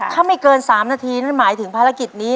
ถ้าไม่เกิน๓นาทีนั่นหมายถึงภารกิจนี้